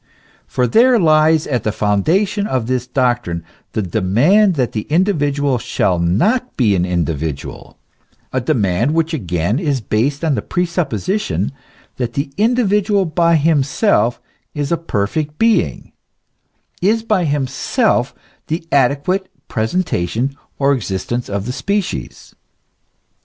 For there lies at the foundation of this doctrine the demand that the individual shall not be an individual, a demand which again is based on the presupposi tion that the individual by himself is a perfect being, is by himself the adequate presentation or existence of the species.